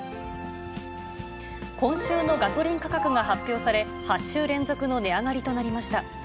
今週のガソリン価格が発表され、８週連続の値上がりとなりました。